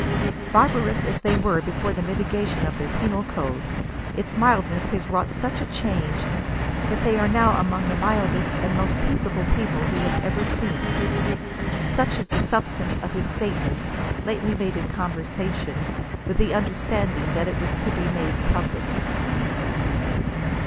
Barbarous as they were before the mitigation of their penal code, its mildness has wrought such a change that they are now among the mildest and most peaceable people he has ever seen. Such is the substance of his statements, lately made in con versation, with the understanding that it was to be maile public.